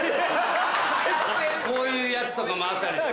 こういうやつとかもあったりして。